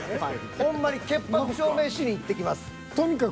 ほんまに潔白証明しにいってきます。